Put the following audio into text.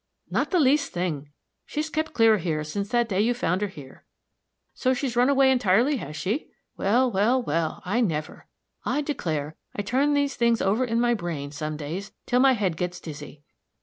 "Not the least thing. She's kept clear of here since that day you found her here. So she's run away, entirely, has she? Well, well, well I never! I declare, I turn these things over in my brain, some days, till my head gets dizzy."